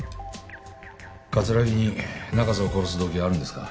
葛城に中瀬を殺す動機があるんですか？